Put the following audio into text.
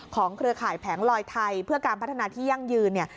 เครือข่ายแผงลอยไทยเพื่อการพัฒนาที่ยั่งยืนเนี่ย